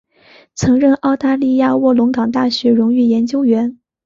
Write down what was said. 曾任澳大利亚卧龙岗大学荣誉研究员。